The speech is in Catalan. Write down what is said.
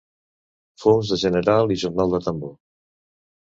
Fums de general i jornal de tambor.